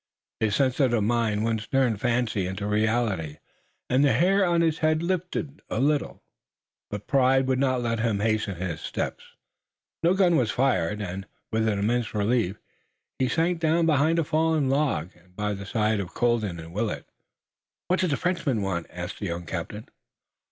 His sensitive mind once more turned fancy into reality and the hair on his head lifted a little, but pride would not let him hasten his steps. No gun was fired, and, with an immense relief, he sank down behind a fallen log, and by the side of Colden and Willet. "What did the Frenchman want?" asked the young captain.